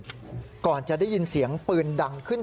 เล่าว่าเธอตกใจเหมือนกันกับเสียงปืนที่ดังต่อเนื่อง